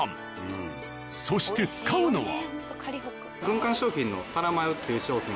そして使うのは。